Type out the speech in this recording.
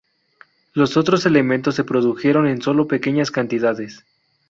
Los otros elementos se produjeron en sólo pequeñas cantidades.